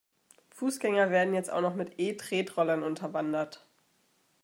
Fußgänger werden jetzt auch noch mit E-Tretrollern unterwandert.